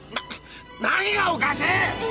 何がおかしい！